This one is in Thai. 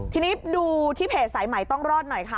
ทีนี้ดูที่เพจสายใหม่ต้องรอดหน่อยค่ะ